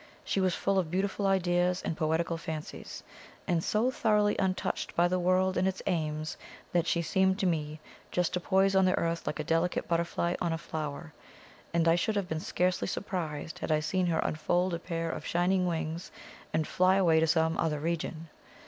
She was full of beautiful ideas and poetical fancies, and so thoroughly untouched by the world and its aims, that she seemed to me just to poise on the earth like a delicate butterfly on a flower; and I should have been scarcely surprised had I seen her unfold a pair of shining wings and fly away to some other region.